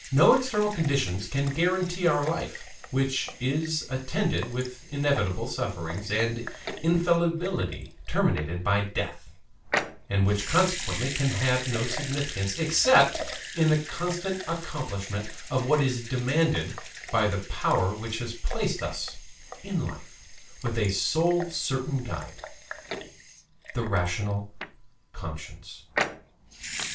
No external conditions can guarantee our life, which is attended with inevitable sufferings and infallibly terminated by death, and which consequently can have no significance except in the constant accomplishment of what is demanded by the Power which has placed us in life with a sole certain guide the rational conscience.